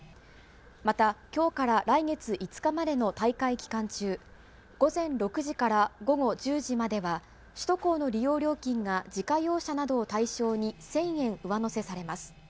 また、きょうから来月５日までの大会期間中、午前６時から午後１０時までは、首都高の利用料金が自家用車などを対象に、１０００円上乗せされます。